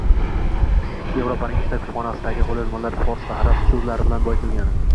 Evropaning uchta kutubxonasidagi qo'lyozmalar fors va arab so'zlari bilan boyitilgan